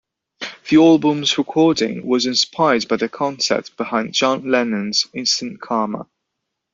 The album's recording was inspired by the concept behind John Lennon's Instant Karma!